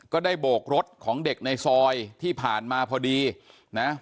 โบกรถของเด็กในซอยที่ผ่านมาพอดีนะ